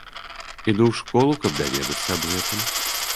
Іду ў школу, каб даведацца аб гэтым.